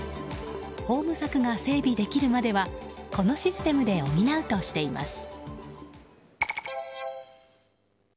ホーム柵が整備できるまではこのシステムで補うとしています。